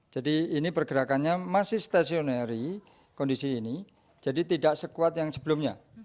ini pergerakannya masih stasionery kondisi ini jadi tidak sekuat yang sebelumnya